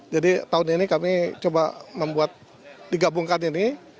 jadi tahun ini kami coba membuat digabungkan ini